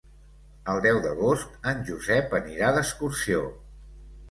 El deu d'agost en Josep anirà d'excursió.